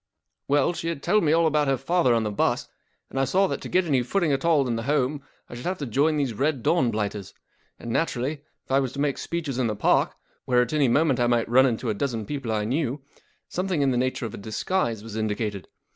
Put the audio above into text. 44 W ell, she had told me all about her father on the bus, and I saw' that to get any footing at all in the home I should have to join these Red Dawn blighters ; and naturally, if I was to make speeches in the Park, where at anv moment I might run into a dozen people I knew, something in the nature of a disguise was indicated.